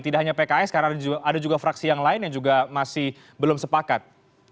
tidak hanya pks karena ada juga fraksi yang lain yang juga masih belum sepakat